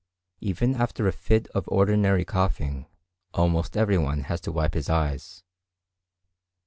Even after a fit of ordinary coughing, almost every one has to wipe his eyes.